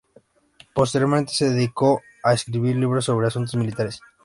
Posteriormente se dedicó a escribir libros sobre asuntos militares.